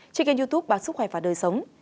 trên kênh youtube báo sức khỏe và đời sống